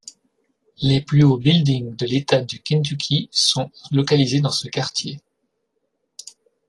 Les plus hauts buildings de l'État du Kentucky sont localisés dans ce quartier.